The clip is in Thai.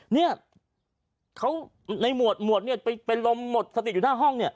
นี่เขาในหมวดหมวดนี่ไปลมหมดสติกอยู่หน้าห้อง